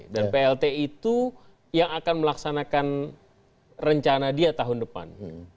dan plt itu yang akan melaksanakan rencana dia tahun depan